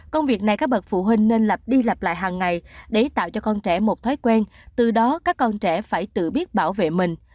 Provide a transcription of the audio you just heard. công việc này các bậc phụ huynh nên lập đi lặp lại hàng ngày để tạo cho con trẻ một thói quen từ đó các con trẻ phải tự biết bảo vệ mình